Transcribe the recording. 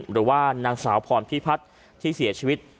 หรือว่านางสาวพรพิพัฒน์ที่เสียชีวิต